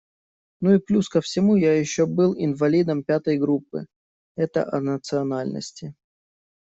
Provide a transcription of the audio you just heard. Ну и плюс ко всему еще я был «инвалидом пятой группы» - это о национальности.